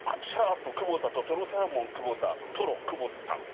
「＃久保田」と「＃とろサーモン久保田」「＃とろ久保田」って。